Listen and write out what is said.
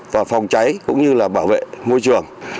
và phòng cháy cũng như bảo vệ môi trường